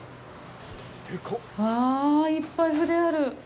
うわぁ、いっぱい筆ある！